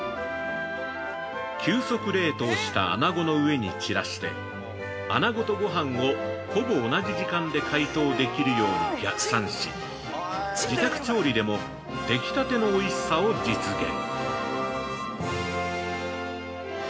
急速冷凍したあなごの上に散らしてあなごとごはんをほぼ同じ時間で解凍できるように逆算し、自宅調理でも、できたてのおいしさを実現。